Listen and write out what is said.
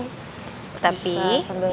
what do you mean